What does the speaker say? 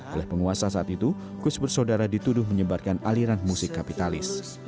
oleh penguasa saat itu kuis bersaudara dituduh menyebarkan aliran musik kapitalis